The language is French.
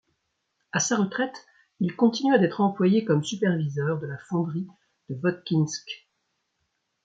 À sa retraite, il continua d'être employé comme superviseur de la fonderie de Votkinsk.